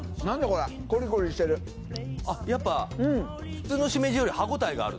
これあっやっぱ普通のしめじより歯応えがある？